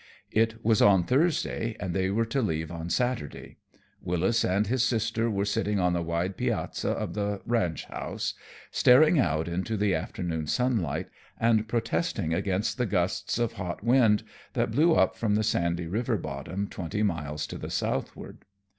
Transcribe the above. It was on Thursday and they were to leave on Saturday. Wyllis and his sister were sitting on the wide piazza of the ranchhouse, staring out into the afternoon sunlight and protesting against the gusts of hot wind that blew up from the sandy river bottom twenty miles to the southward.